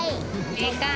でかい！